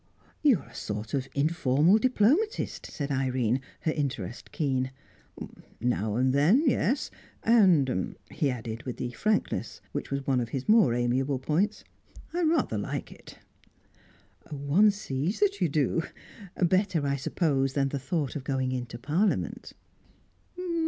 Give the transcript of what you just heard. "You are a sort of informal diplomatist," said Irene, her interest keen. "Now and then, yes. And" he added with the frankness which was one of his more amiable points "I rather like it." "One sees that you do. Better, I suppose, than the thought of going into Parliament."